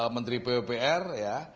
menteri bwpr ya